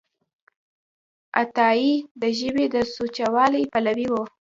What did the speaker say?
عطایي د ژبې د سوچهوالي پلوی و.